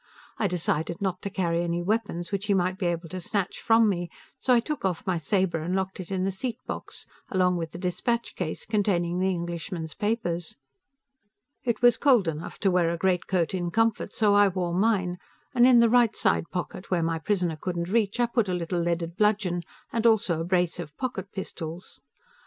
I decided not to carry any weapons which he might be able to snatch from me, so I took off my saber and locked it in the seat box, along with the dispatch case containing the Englishman's papers. It was cold enough to wear a greatcoat in comfort, so I wore mine, and in the right side pocket, where my prisoner couldn't reach, I put a little leaded bludgeon, and also a brace of pocket pistols.